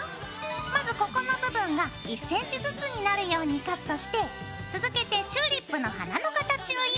まずここの部分が１ｃｍずつになるようにカットして続けてチューリップの花の形をイメージしてカットしよう。